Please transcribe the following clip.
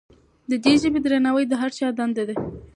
د دې ژبې درناوی د هر چا دنده ده.